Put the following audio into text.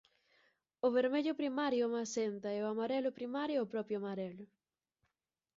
O vermello primario ao maxenta e o amarelo Primario ao propio amarelo.